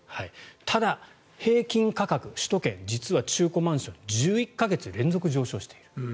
ただ、平均価格首都圏、実は中古マンション１１か月連続上昇している。